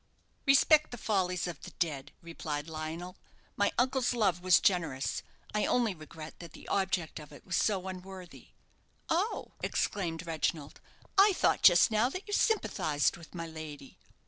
"Respect the follies of the dead," replied Lionel. "My uncle's love was generous. I only regret that the object of it was so unworthy." "Oh!" exclaimed Reginald, "I thought just now that you sympathized with my lady."